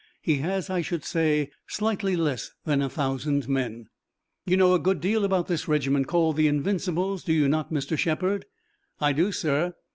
He has, I should say, slightly less than a thousand men." "You know a good deal about this regiment called the Invincibles, do you not, Mr. Shepard?" "I do, sir.